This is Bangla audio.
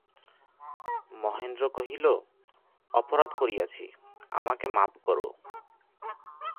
মহেন্দ্র কহিল, অপরাধ করিয়াছি, আমাকে মাপ করো।